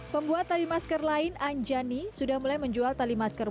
pembuat tali masker lain anjani sudah mulai menjual tali masker